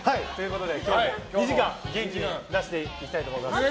今日も２時間元気にいきたいと思います。